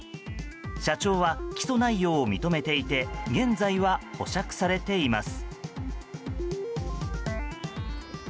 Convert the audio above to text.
社長は起訴内容を認めていて現在は保釈されています。